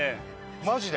マジで。